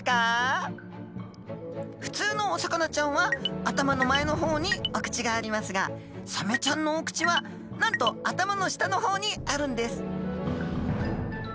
普通のお魚ちゃんは頭の前の方にお口がありますがサメちゃんのお口はなんと頭の下の方にあるんです